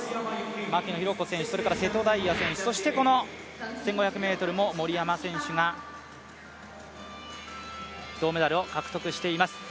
牧野紘子選手、瀬戸大也選手、この１５００ｍも森山選手が銅メダルを獲得しています。